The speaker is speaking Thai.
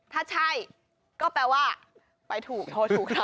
ถ้าใช่ก็แปลว่าไปถูกโทรถูกนะ